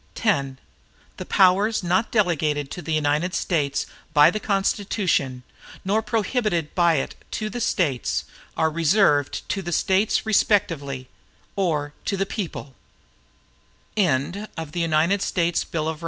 X The powers not delegated to the United States by the Constitution, nor prohibited by it to the States, are reserved to the States respectively, or to the people.